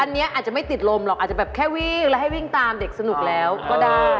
อันนี้อาจจะไม่ติดลมหรอกอาจจะแบบแค่วิ่งแล้วให้วิ่งตามเด็กสนุกแล้วก็ได้